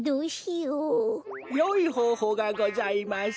よいほうほうがございます。